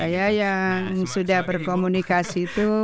yang sudah berkomunikasi itu